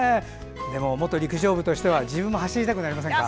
元陸上部としては自分も走りたくなりませんか？